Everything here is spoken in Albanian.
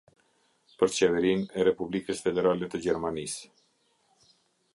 Për Qeverinë e Republikës Federale të Gjermanisë.